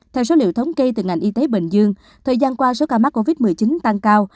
theo số liệu thống kê từ ngành y tế bình dương thời gian qua số ca mắc covid một mươi chín tăng cao